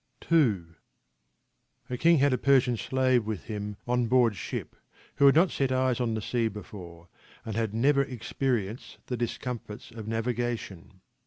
II A king had a Persian slave with him on board ship who had not set eyes on the sea before, and had never experienced the discomforts of navigation.